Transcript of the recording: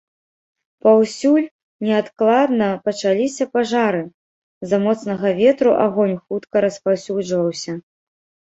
Паўсюль неадкладна пачаліся пажары, з-за моцнага ветру агонь хутка распаўсюджваўся.